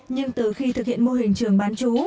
nhưng từ khi thực hiện mô hình trường bán chú